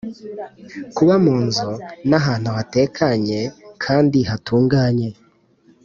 kuba mu nzu n ahantu hatekanye kandi hatunganye